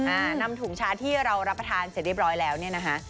อ่านำถุงชาที่เรารับประทานเสร็จเรียบร้อยแล้วเนี่ยนะคะ